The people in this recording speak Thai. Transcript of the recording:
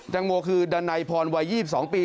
แต่งโมคือดันไนพรวัย๒๒ปี